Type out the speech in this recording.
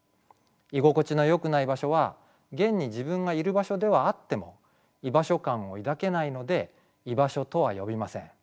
居心地のよくない場所は現に自分がいる場所ではあっても居場所感を抱けないので「居場所」とは呼びません。